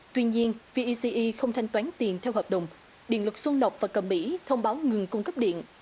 tuy nhiên v e c e không thanh toán tiền theo hợp đồng điện lực xuân lộc và cầm mỹ thông báo ngừng cung cấp điện